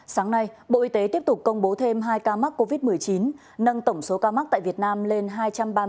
sáng nay bộ y tế tiếp tục công bố thêm hai ca mắc covid một mươi chín nâng tổng số ca mắc tại việt nam lên hai trăm ba mươi ca